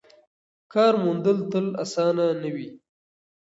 کار موندل تل اسانه نه وي.